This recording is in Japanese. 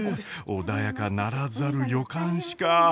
穏やかならざる予感しか。